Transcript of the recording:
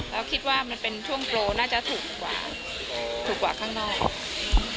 เราคิดว่ามันเป็นช่วงโปรน่าจะถูกกว่าข้างนอก